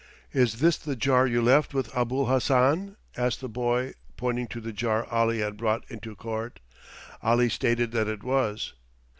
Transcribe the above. "Is this the jar you left with Abul Hassan?" asked the boy, pointing to the jar Ali had brought into court. Ali stated that it was.